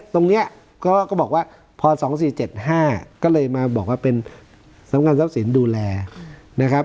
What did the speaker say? ตรงนี้ก็บอกว่าพอ๒๔๗๕ก็เลยมาบอกว่าเป็นสำงานทรัพย์สินดูแลนะครับ